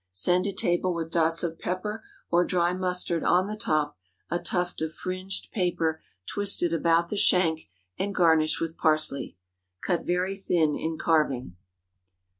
Send to table with dots of pepper or dry mustard on the top, a tuft of fringed paper twisted about the shank, and garnish with parsley. Cut very thin in carving.